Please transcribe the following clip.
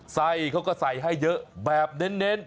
ไส้เขาก็ใส่ให้เยอะแบบเน้น